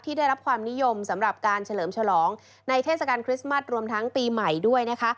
ได้รับความนิยมสำหรับการเฉลิมฉลองในเทศกาลคริสต์มัสรวมทั้งปีใหม่ด้วยนะคะ